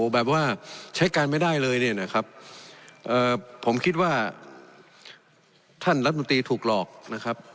แบบว่าใช้การไม่ได้เลยเนี่ยนะครับผมคิดว่าท่านรัฐมนตรีถูกหลอกนะครับ